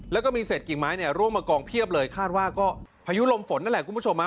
แล้วก็มีเศษกิ่งไม้เนี่ยร่วงมากองเพียบเลยคาดว่าก็พายุลมฝนนั่นแหละคุณผู้ชมฮะ